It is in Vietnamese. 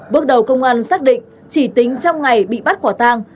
bước đầu công an xác định chỉ tính trong ngày bị bắt quả tang